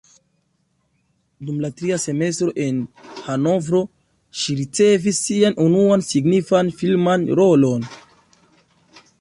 Dum la tria semestro en Hanovro ŝi ricevis sian unuan signifan filman rolon.